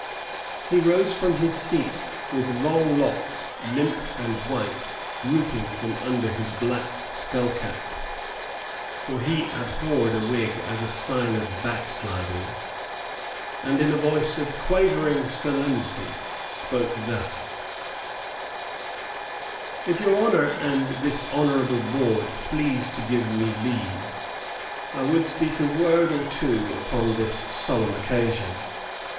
He rose from his seat with long locks, limp and white, drooping from under his black skullcap, for he abhorred a wig as a sign of backsliding, and in a voice of quavering solemnity spoke thus: "If your Honour and this Honourable Board please to give me leave, I would speak a Word or two upon this solemn Occasion.